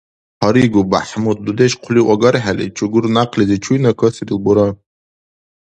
Гьаригу, БяхӀмуд, дудеш хъулив агархӀели, чугур някълизи чуйна касирил бура?